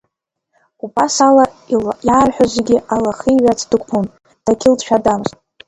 Убас ала иаарҳәоз зегьы алахиҩарц дықәԥон, дагьлыҵшәадамызт.